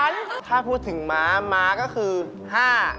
มา๕๓ขา๕๓ค่ะพี่เบิร์ต